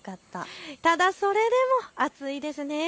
ただそれでも暑いですね。